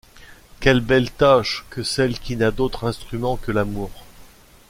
Quelle belle tâche que celle qui n’a d’autre instrument que l’amour!